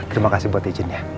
terima kasih buat izinnya